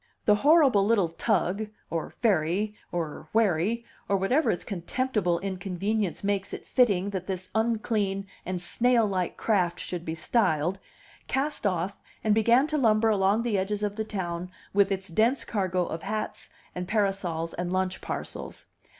The horrible little tug, or ferry, or wherry, or whatever its contemptible inconvenience makes it fitting that this unclean and snail like craft should be styled, cast off and began to lumber along the edges of the town with its dense cargo of hats and parasols and lunch parcels.